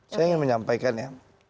saya ingin menyampaikan ya